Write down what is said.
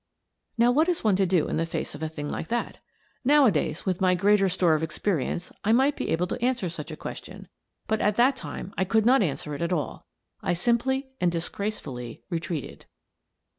Now, what is one to do in the face of a thing like that? Nowadays, with my greater store of experi ence, I might be able to answer such a question, but at that time I could not answer it at all. I simply and disgracefully retreated.